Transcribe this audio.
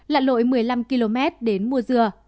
lạ lội một mươi năm km đến mua dưa